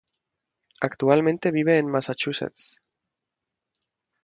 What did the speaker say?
Actualmente vive en Massachusetts.